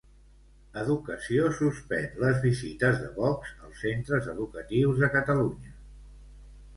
Educació suspèn les visites de Vox als centres educatius de Catalunya.